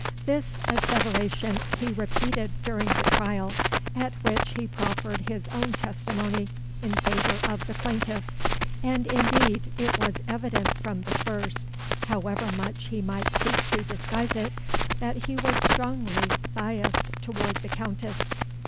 This asseveration he repeated during the trial, at which he proffered his own testimony in favour of the plaintiff; and indeed it was evident from the first, however much he might seek to disguise it, that he was strongly biassed towards the Countess.